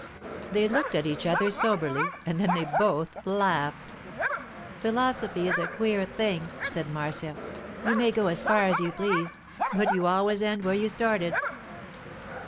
They looked at each other soberly, and then they both laughed. 'Philosophy is a queer thing,' said Marcia. 'You may go as far as you please, but you always end where you started.